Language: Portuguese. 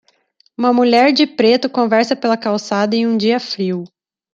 Uma mulher de preto conversa pela calçada em um dia frio.